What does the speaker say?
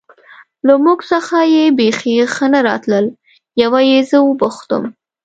له موږ څخه یې بېخي ښه نه راتلل، یوه یې زه و پوښتم.